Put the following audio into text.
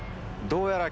「どうやら」！